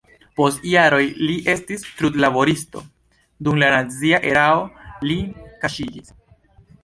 Post jaroj li estis trudlaboristo, dum la nazia erao li kaŝiĝis.